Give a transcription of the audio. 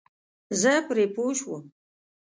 زه پرې پوه شوم.